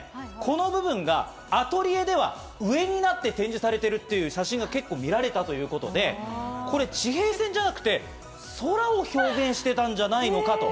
この部分がアトリエでは上になって展示されている写真が結構見られたということで、これは地平線ではなく、空を表現していたんじゃないかと。